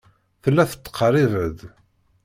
Tella tettqerrib-d.